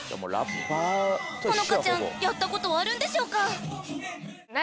［歩和ちゃんやったことあるんでしょうか？］